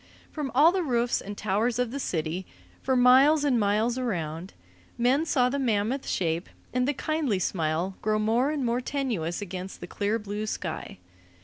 From all the roofs and the towers of the city, for miles and miles around, men saw the mammoth shape and the kindly smile grow more and more tenuous against the clear blue sky.